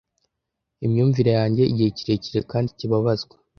imyumvire yanjye. Igihe kirekire kandi kibabazwa